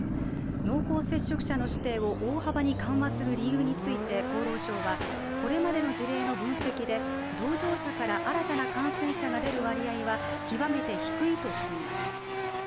濃厚接触者の指定を大幅に緩和する理由について厚労省はこれまでの事例の分析で、同乗者から新たな感染者が出る割合は極めて低いとしています。